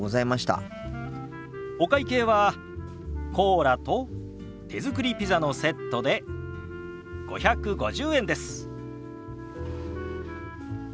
お会計はコーラと手作りピザのセットで５５０円です。